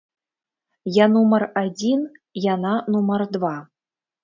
Я нумар адзін, яна нумар два.